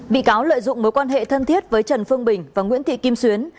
bị cáo lợi dụng mối quan hệ thân thiết với trần phương bình và nguyễn thị kim xuyến